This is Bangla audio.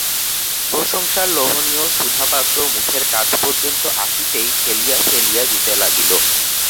প্রশংসার লোভনীয় সুধাপাত্র মুখের কাছ পর্যন্ত আসিতেই ঠেলিয়া ফেলিয়া দিতে লাগিল।